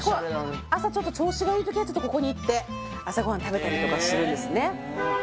朝ちょっと調子がいい時はここに行って朝ご飯食べたりとかするんですね